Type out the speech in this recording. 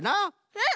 うん！